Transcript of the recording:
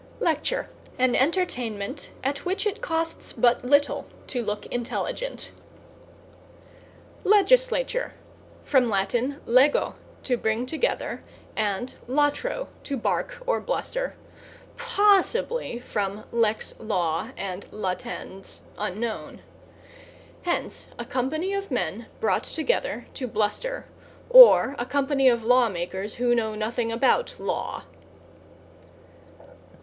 =LECTURE= An entertainment at which it costs but little to look intelligent. =LEGISLATURE= From Lat. lego, to bring together, and latro, to bark or bluster; possibly from lex, law, and latens, unknown. Hence, a company of men brought together to bluster, or a company of law makers who know nothing about law.